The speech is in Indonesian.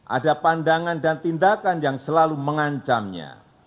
ada pandangan dan tindakan yang selalu mengancamnya